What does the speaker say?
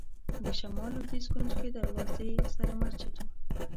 د شمال لوېدیځ کونج کې دروازې سره مسجد و.